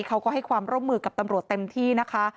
เขาก็ให้ความร่วมมือกับตำรวจเต็มที่นะคะ